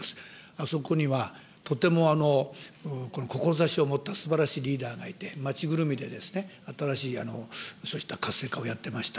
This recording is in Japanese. あ、そこにはとてもこの志を持ったすばらしいリーダーがいて、町ぐるみで新しいそうした活性化をやってました。